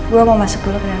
gua mau masuk dulu ke dalam